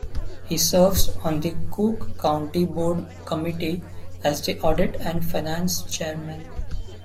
He serves on the Cook County Board Committee as the Audit and Finance Chairman.